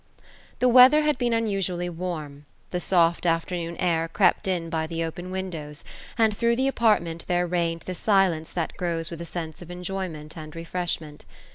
The weather had been unusually warm. The soft afternoon air crept in by the open windows ; and through the apartment there reigned the silence that grows with a sense of enjoyment and refreshment.